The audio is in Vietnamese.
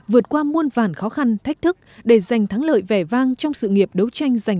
vượt qua muôn vàn khó khăn thách thức để giành thắng lợi vẻ vang trong sự nghiệp đấu tranh giành